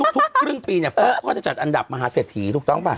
ทุกครึ่งปีเนี่ยก็จะจัดอันดับมหาเศรษฐีถูกต้องป่ะ